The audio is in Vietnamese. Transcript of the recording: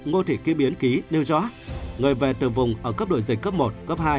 ngô thị ký biến ký nêu cho người về từ vùng ở cấp độ dịch cấp một cấp hai